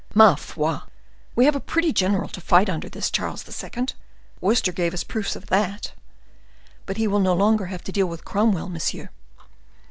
"Ma foi! we have a pretty general to fight under—this Charles II.! Worcester gave us proofs of that." "But he will no longer have to deal with Cromwell, monsieur."